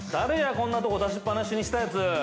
こんなとこ出しっぱなしにしたやつ。